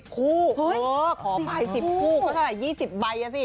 ๑๐คู่เฮ้ยขอภาพให้๑๐คู่ก็เท่าไหร่๒๐ใบน่ะสิ